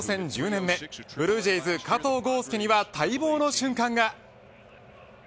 １０年目ブルージェイズ加藤豪将には待望の瞬間が。